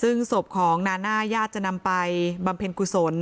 ซึ่งศพของนาน่าญาติจะนำไปบำเพ็ญกุศล